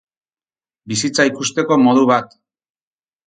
Bizitza ikusteko modu bat.